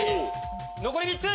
残り３つ！